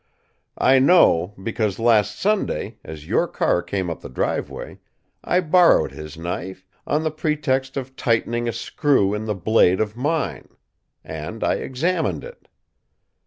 I know, because last Sunday, as your car came up the driveway, I borrowed his knife, on the pretext of tightening a screw in the blade of mine. And I examined it."